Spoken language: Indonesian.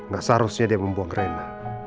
nah seharusnya dia membuang rena